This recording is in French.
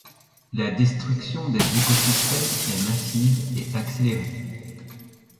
La destruction des écosystèmes est massive et accélérée.